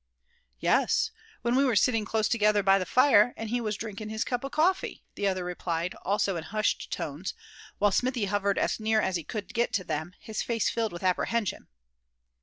"Yes, when we were sitting close together by the fire, and he was drinkin' his cup of coffee," the other replied, also in hushed tones; while Smithy hovered as near as he could get to them, his face filled with apprehension.